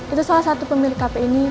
itu salah satu pemilik kafe ini